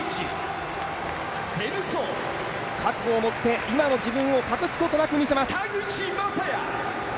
覚悟を持って今の自分を隠すことなく見せます。